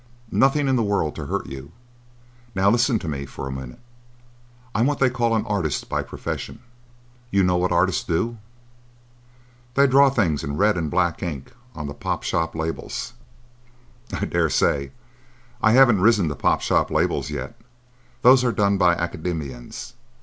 "Nothing in the world to hurt you. Now listen to me for a minute. I'm what they call an artist by profession. You know what artists do?" "They draw the things in red and black ink on the pop shop labels." "I dare say. I haven't risen to pop shop labels yet. Those are done by the Academicians.